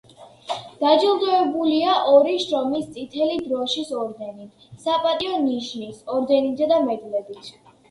დაჯილდოებულია ორი შრომის წითელი დროშის ორდენით, „საპატიო ნიშნის“ ორდენითა და მედლებით.